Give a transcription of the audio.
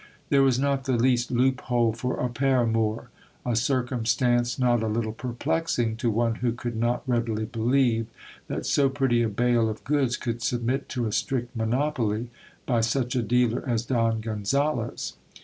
There was not the least loop hole for a paramour ! a circumstance not a little perplexing to one who could not readily believe, that so pretty a bale of goods could submit to a strict monopoly, by such a dealer as Don Gonzales.